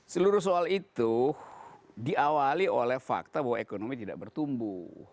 seluruh soal itu diawali oleh fakta bahwa ekonomi tidak bertumbuh